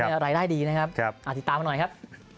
เชิญอะไรได้ดีนะครับอาจติดตามมาหน่อยครับ